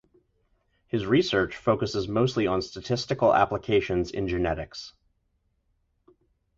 His research focuses mostly on statistical applications in genetics.